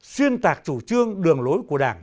xuyên tạc chủ trương đường lối của đảng